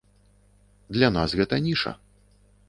Для нас гэта ніша.